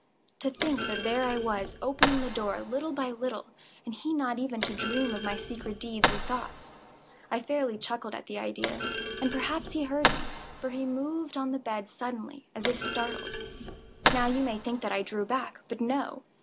To think that there I was, opening the door, little by little, and he not even to dream of my secret deeds or thoughts. I fairly chuckled at the idea; and perhaps he heard me; for he moved on the bed suddenly, as if startled. Now you may think that I drew back—but no.